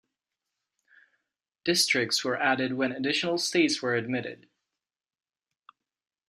Districts were added when additional States were admitted.